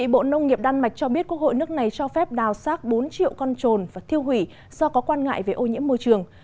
bộ nông nghiệp đan mạch cho biết quốc hội nước này cho phép đào sát bốn triệu con trồn và thiêu hủy do có quan ngại về ô nhiễm môi trường